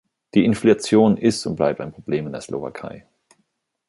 Die Inflation ist und bleibt ein Problem in der Slowakei.